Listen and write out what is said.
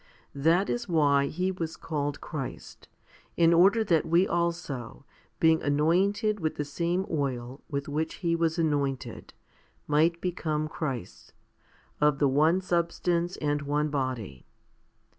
1 That is why He was called Christ, in order that we also, being anointed with the same oil with which He was anointed, might become Christs, of the one substance and one body.